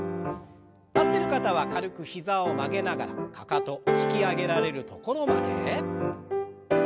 立ってる方は軽く膝を曲げながらかかと引き上げられるところまで。